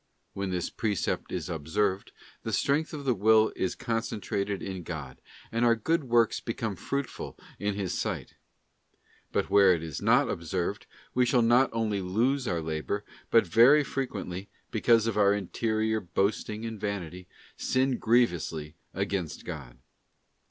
When this precept is observed, the 'strength of the will is concentrated in God, and our good works become fruitful in His sight; but where it is not observed, we shall * S. Matt. vi. 2. ;+ Ih, vi. 3. ee SS GOOD WORKS VITIATED BY SELF LOVE. 279 not .only lose our labour, but, very frequently, because of our interior boasting and vanity, sin grievously against God.